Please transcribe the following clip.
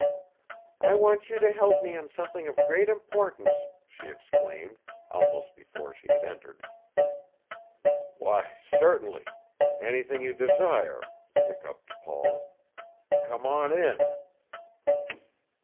"I want you to help me on something of great importance," she exclaimed, almost before she had entered. "Why, certainly! Anything you desire!" hiccoughed Paul. "Come on in."